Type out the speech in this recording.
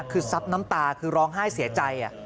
คือซับน้ำตาคือร้องไห้เสียใจ